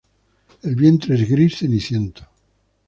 El vientre es gris ceniciento.